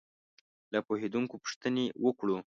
له پوهېدونکو پوښتنې وکړو.